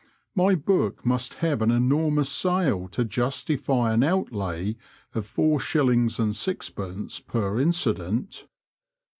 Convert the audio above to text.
" My book must have an enormous sale to justify an outlay of four shillings and sixpence per incident."